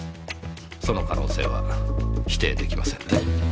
その可能性は否定できませんねぇ。